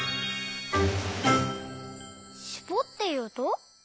「しぼっていうと」？